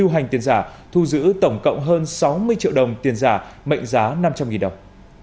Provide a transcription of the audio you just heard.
lưu hành tiền giả thu giữ tổng cộng hơn sáu mươi triệu đồng tiền giả mệnh giá năm trăm linh đồng